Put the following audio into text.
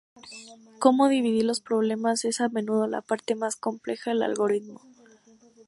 Cómo dividir los problemas es, a menudo, la parte más compleja del algoritmo.